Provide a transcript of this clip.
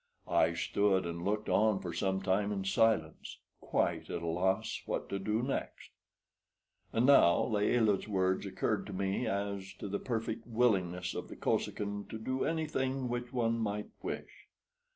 I stood and looked on for some time in silence, quite at a loss what to do next. And now Layelah's words occurred to me as to the perfect willingness of the Kosekin to do anything which one might wish.